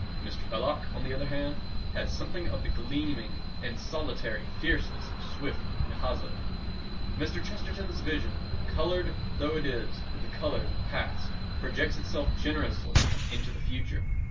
Mr. Belloc, on the other hand, has something of the gleaming and solitary fierceness of Swift and Hazlitt. Mr. Chesterton's vision, coloured though it is with the colours of the past, projects itself generously into the future.